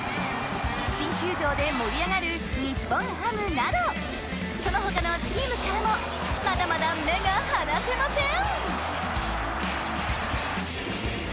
新球場で盛り上がる日本ハムなどその他のチームからもまだまだ目が離せません！